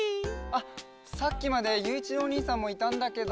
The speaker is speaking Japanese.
さっきまでゆういちろうおにいさんもいたんだけど。